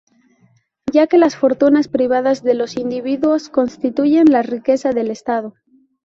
Ya que las fortunas privadas de los individuos constituyen la riqueza del estado.